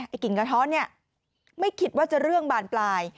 กิ่งกระท้อนเนี่ยไม่คิดว่าจะเรื่องบานปลาย